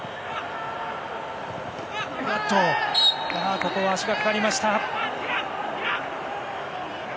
ここは足がかかりました。